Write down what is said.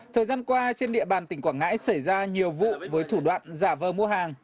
thời gian qua trên địa bàn tỉnh quảng ngãi xảy ra nhiều vụ với thủ đoạn giả vờ mua hàng